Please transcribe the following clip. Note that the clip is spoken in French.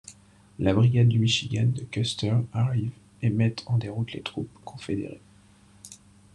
La brigade du Michigan de Custer arrivent et mettent en déroute les troupes confédérées.